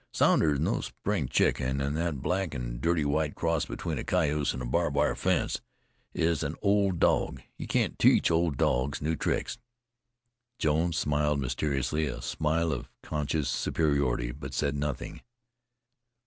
"Sounder is no spring chicken; an' that black and dirty white cross between a cayuse an' a barb wire fence is an old dog. You can't teach old dogs new tricks." Jones smiled mysteriously, a smile of conscious superiority, but said nothing.